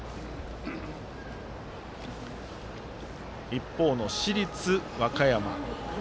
一方の市立和歌山。